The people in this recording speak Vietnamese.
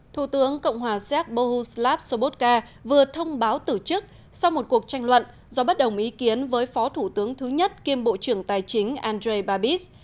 thủ tướng cộng hòa séc bohowslav sobotca vừa thông báo tử chức sau một cuộc tranh luận do bất đồng ý kiến với phó thủ tướng thứ nhất kiêm bộ trưởng tài chính andrei babis